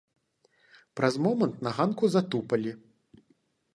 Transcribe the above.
Праз момант на ганку затупалі.